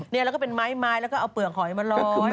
แล้วก็เป็นไม้แล้วก็เอาเปลือกหอยมาล้อ